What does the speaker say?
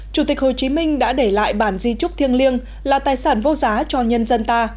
chủ tịch hồ chí minh đã để lại bản di trúc thiêng liêng là tài sản vô giá cho nhân dân ta